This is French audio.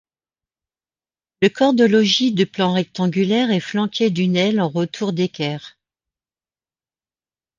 Le corps de logis de plan rectangulaire est flanqué d'une aile en retour d'équerre.